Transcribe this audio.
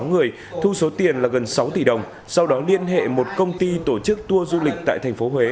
người thu số tiền là gần sáu tỷ đồng sau đó liên hệ một công ty tổ chức tour du lịch tại thành phố huế